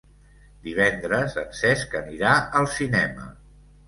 Divendres en Cesc anirà al cinema.